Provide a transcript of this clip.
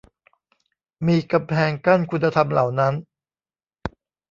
มีกำแพงกั้นคุณธรรมเหล่านั้น